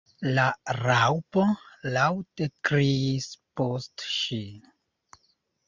La Raŭpo laŭte kriis post ŝi.